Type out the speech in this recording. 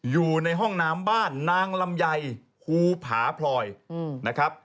อยู่ในห้องน้ำบ้านนางลำไยภูผาพลอยนะครับ